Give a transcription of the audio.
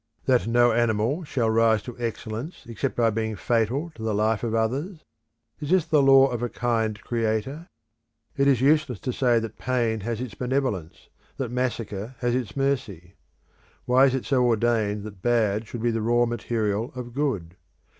That no animal shall rise to excellence except by being fatal to the life of others is this the law of a kind Creator? It is useless to say that pain has its benevolence, that massacre has its mercy. Why is it so ordained that bad should be the raw material of good?